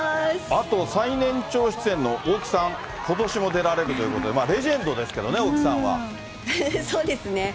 あと最年長出演の大木さん、ことしも出られるということで、レジェンドですけどね、そうですね。